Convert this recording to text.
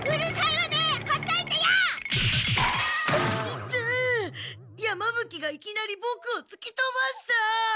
いってえ山ぶ鬼がいきなりボクをつきとばした。